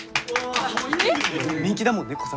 人気だもんね